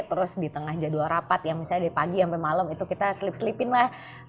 terus di tengah jadwal rapat ya misalnya dari pagi sampai malam itu kita selip selipin lah